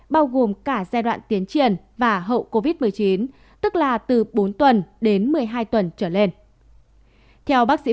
bao gồm cả giai đoạn tiến triển và hậu covid một mươi chín tức là từ bốn tuần đến một mươi hai tuần trở lên theo bác sĩ